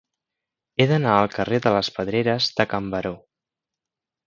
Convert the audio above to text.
He d'anar al carrer de les Pedreres de Can Baró